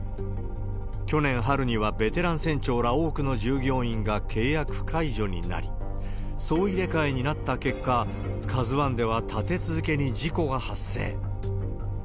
去年春にはベテラン船長ら、多くの従業員が契約解除になり、総入れ替えになった結果、ＫＡＺＵＩでは立て続けに事故が発生。